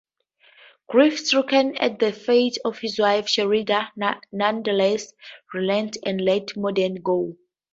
Grief-stricken at the fate of his wife, Sheridan nonetheless relents and lets Morden go.